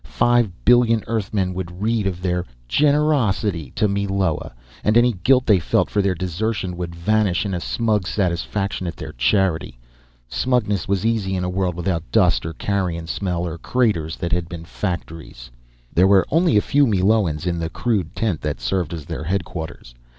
Five billion Earthmen would read of their "generosity" to Meloa, and any guilt they felt for their desertion would vanish in a smug satisfaction at their charity. Smugness was easy in a world without dust or carrion smell or craters that had been factories. There were only a few Meloans in the crude tent that served as their headquarters.